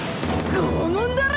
拷問だろ！